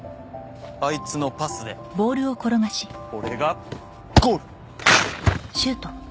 あいつのパスで俺がゴール！